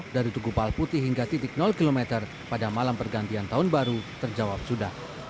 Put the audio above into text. dari tugu palputi hingga titik km pada malam pergantian tahun baru terjawab sudah